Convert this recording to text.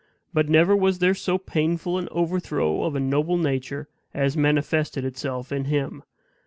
But never was there so painful an overthrow of a noble nature as manifested itself in him.